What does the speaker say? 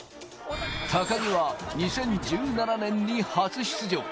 高木は２０１７年に初出場。